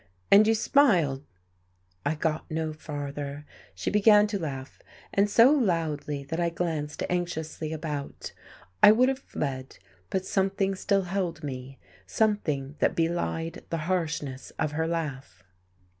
And you smiled " I got no farther. She began to laugh, and so loudly that I glanced anxiously about. I would have fled, but something still held me, something that belied the harshness of her laugh.